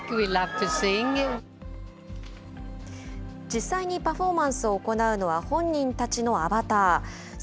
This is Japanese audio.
実際にパフォーマンスを行うのは、本人たちのアバター。